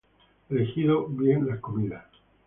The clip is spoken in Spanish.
elegido bien las comidas